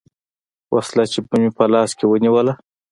وسله چې به مې په لاس کښې ونېوله.